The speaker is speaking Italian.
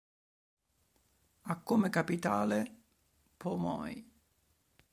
Ha come capitale Pho Moi.